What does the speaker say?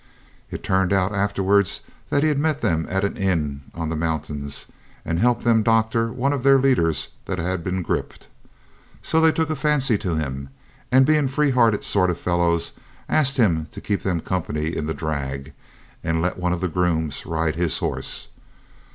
It turned out afterwards that he'd met them at an inn on the mountains, and helped them to doctor one of their leaders that had been griped. So they took a fancy to him, and, being free hearted sort of fellows, asked him to keep them company in the drag, and let one of the grooms ride his horse.